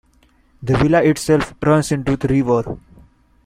The villa itself runs into the river.